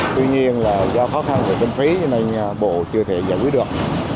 tuy nhiên là do khó khăn về tránh phí nên bộ chưa thể giải quyết được